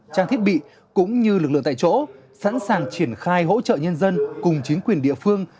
trang thiết bị cũng như lực lượng tại chỗ sẵn sàng triển khai hỗ trợ nhân dân cùng chính quyền địa phương